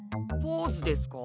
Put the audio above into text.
ポーズですか？